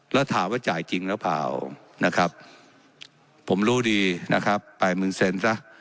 แล้วถามว่าจ่ายจริงหรือเปล่านะครับผมรู้ดีนะครับไปเมืองเซ็นซ์ล่ะ